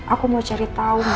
aku mau cari tahu